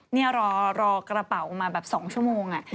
นี่รอกระเป๋ามาแบบ๒ชั่วโมง